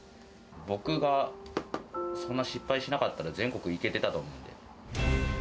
僕がそんな失敗しなかったら全国行けてたと思うんで。